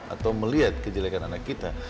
atau melihat kejelekan anak kita